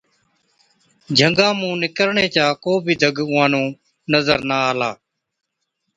جھنگا مُون نِڪرڻي چا ڪو بِي دگ اُونهان نُون نظر نہ آلا۔